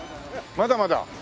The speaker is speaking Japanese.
まだまだ。